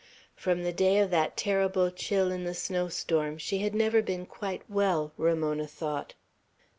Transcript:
From the day of that terrible chill in the snow storm, she had never been quite well, Ramona thought.